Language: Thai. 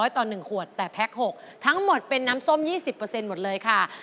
ต่อ๑ขวดแต่แพ็ค๖ทั้งหมดเป็นน้ำส้ม๒๐หมดเลยค่ะ